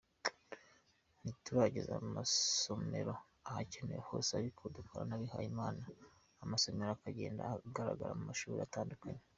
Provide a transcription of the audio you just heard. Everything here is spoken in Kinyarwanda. Ntiturageza amasomero ahakenewe hose, ariko dukorana n’abihayimana amasomero akagenda agaragara mu mashuri atandukanye.